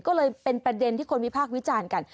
ก็เลยเป็นประเด็นที่คนวิพากษ์วิจารณ์กัน